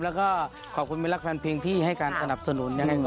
แล้วก็ขอบคุณไม่รักแฟนเพลงที่ให้การสนับสนุน